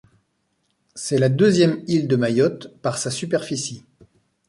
C'est la deuxième île de Mayotte par sa superficie.